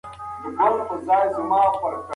خوشحالي په بل ته په خیر رسولو کي ده.